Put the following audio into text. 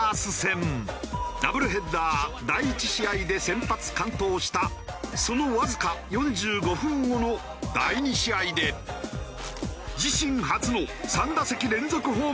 ダブルヘッダー第１試合で先発完投したそのわずか４５分後の第２試合で自身初の３打席連続ホームラン。